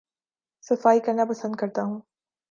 صفائی کرنا پسند کرتا ہوں